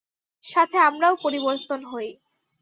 সাথে আমরাও পরিবর্তন হই।